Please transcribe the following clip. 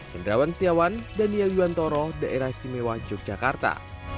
kendrawan setiawan daniel yuwantoro daerah istimewa yogyakarta